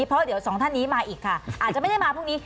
เพราะเดี๋ยวสองท่านนี้มาอีกค่ะอาจจะไม่ได้มาพรุ่งนี้